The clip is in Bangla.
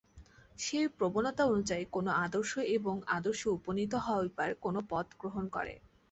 সে ঐ প্রবণতা অনুযায়ী কোন আদর্শ এবং আদর্শে উপনীত হইবার কোন পথ গ্রহণ করে।